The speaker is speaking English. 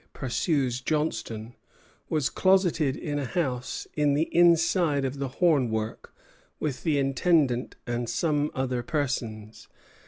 de Vaudreuil," pursues Johnstone, "was closeted in a house in the inside of the hornwork with the Intendant and some other persons.